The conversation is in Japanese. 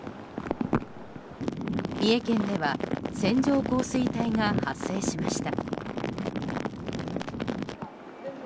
三重県では線状降水帯が発生しました。